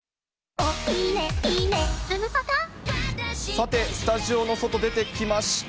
さて、スタジオの外、出てきました。